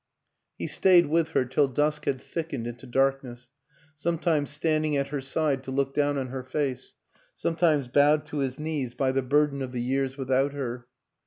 He stayed with her till dusk had thickened into darkness, sometimes standing at her side to look down on her face, sometimes bowed to his knees by the burden of the years without her.